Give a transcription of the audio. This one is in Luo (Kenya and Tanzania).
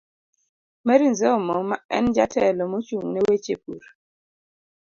Mary Nzomo, ma en Jatelo mochung'ne weche pur